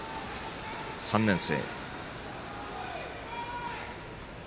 ３年生。